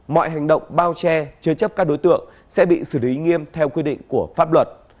mọi hành động bao che chứa chấp các đối tượng sẽ bị xử lý nghiêm theo quy định của pháp luật